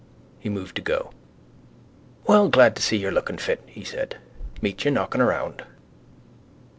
He moved to go. —Well, glad to see you looking fit, he said. Meet you knocking around.